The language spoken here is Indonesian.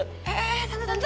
eh eh eh tante tante